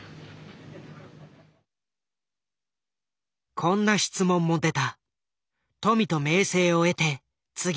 こんな質問も出た。